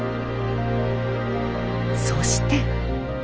そして。